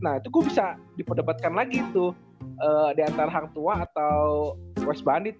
nah itu gue bisa dipodapatkan lagi tuh diantara hang tua atau west bandit ya